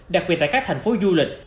đặc biệt tại các thành phố du lịch